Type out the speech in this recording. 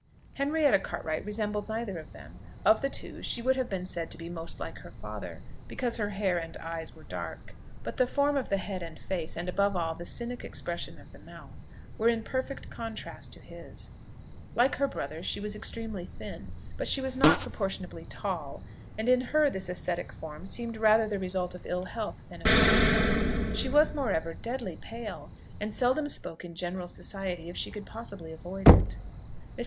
Henrietta Cartwright resembled neither of them: of the two, she would have been said to be most like her father, because her hair and eyes were dark; but the form of the head and face, and above all, the cynic expression of the mouth, were in perfect contrast to his. Like her brother she was extremely thin; but she was not proportionably tall, and in her this ascetic form seemed rather the result of ill health than of make. She was moreover deadly pale, and seldom spoke in general society if she could possibly avoid it. Mrs.